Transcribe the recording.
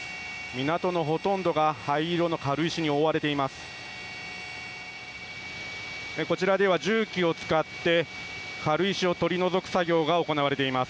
港のほとんどが大量の軽石に覆われています。